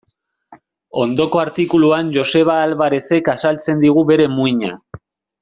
Ondoko artikuluan Joseba Alvarerezek azaltzen digu bere muina.